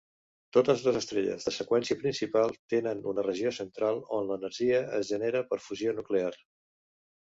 Totes les estrelles de seqüència principal tenen una regió central on l'energia es genera per fusió nuclear.